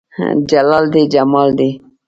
جلال دى يا جمال دى